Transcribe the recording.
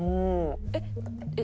えっ。